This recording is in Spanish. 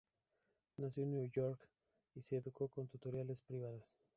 Nació en Nueva York y se educó con tutores privados.